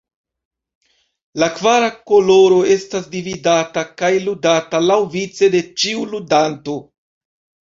La kvara koloro estas dividata, kaj ludata laŭvice de ĉiu ludanto.